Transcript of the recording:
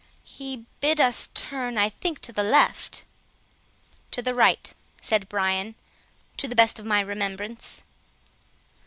He bid us turn, I think to the left." "To the right," said Brian, "to the best of my remembrance."